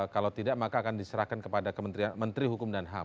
kalau tidak maka akan diserahkan kepada menteri hukum dan ham